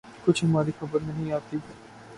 کچھ ہماری خبر نہیں آتی